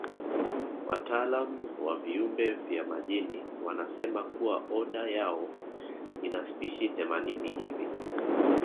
Wataalamu wa viumbe vya majini wanasema kuwa oda yao ina spishi themanini hivi